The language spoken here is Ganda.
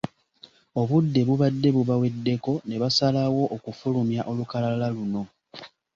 Obudde bubadde bubaweddeko ne basalawo okufulumya olukalala luno.